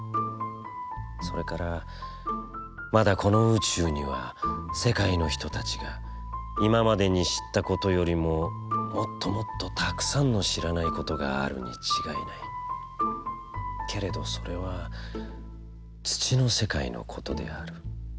それからまだこの宇宙には世界の人達が今迄に知つた事よりももつともつと沢山の知らない事があるに違ない、けれどそれは土の世界のことである。